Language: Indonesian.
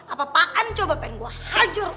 apa apaan coba pengen gue hajar